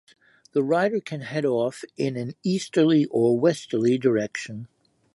The rider can head off in an easterly or westerly direction.